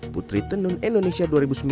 putri tenun indonesia dua ribu sembilan